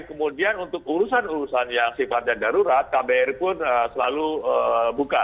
kemudian untuk urusan urusan yang sifatnya darurat kbri pun selalu buka